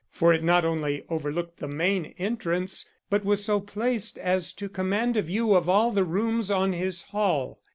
For it not only overlooked the main entrance, but was so placed as to command a view of all the rooms on his hall.